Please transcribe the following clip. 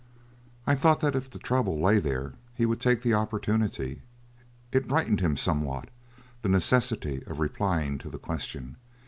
I thought that if the trouble lay there he would take the opportunity. It brightened him somewhat, the necessity of replying to the question.